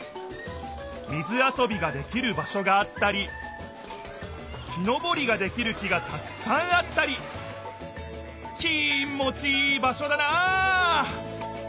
水遊びができる場所があったり木登りができる木がたくさんあったりきもちいい場所だな！